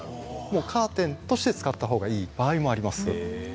カーテンとして使ったほうがいい場合もあります。